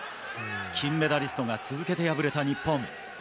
金メダリストが続けて敗れた日本。